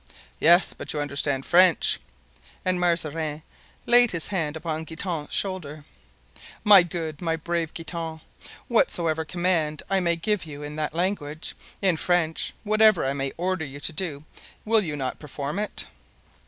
"Yes, but you understand French," and Mazarin laid his hand upon Guitant's shoulder. "My good, my brave Guitant, whatsoever command I may give you in that language—in French—whatever I may order you to do, will you not perform it?"